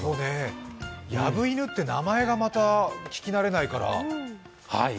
ヤブイヌって、名前がまた聞き慣れないから。